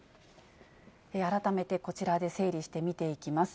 改めてこちらで整理して見ていきます。